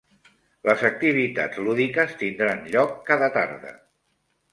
Les activitats lúdiques tindran lloc cada tarda.